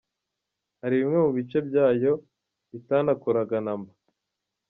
Hari bimwe mu bice byayo bitanakoraga na mba.